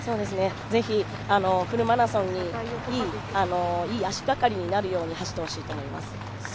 ぜひ、フルマラソンにいい足掛かりになるように走ってほしいと思います。